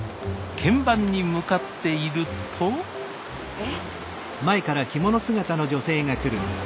見番に向かっているとえ？